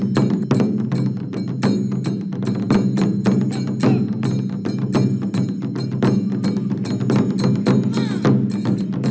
คุณเบอร์หนึ่งคุณต้องพิจารณาตัวเอง